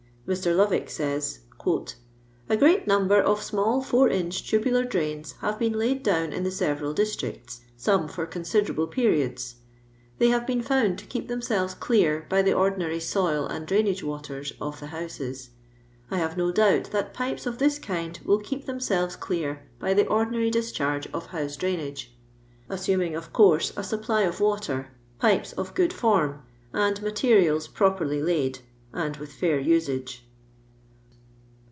Mr. Lovick said :— ''A great number of small 4 inch tubular dniai have been laid down in the sovenil distnits, s ime for considerable periods. They have bet^n fou.'id to keep themselves clear by the ordinary soii and dniinago waters of the houses. I have no doubt that pipes of this kind will keep themselves c\tu by the ordinary discharge of house drainacf : assuming, of course, a supply of water, pipes ot good form, and materials properly laid, and r.it fair usage."